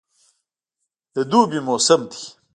د دوبی موسم ده